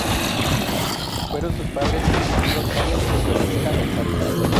Fueron sus padres Benjamín González y Francisca González.